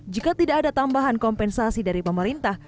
jika tidak ada tambahan kompensasi dari pemerintah